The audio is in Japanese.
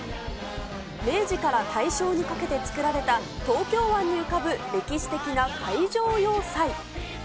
明治から大正にかけて造られた、東京湾に浮かぶ歴史的な海上要塞。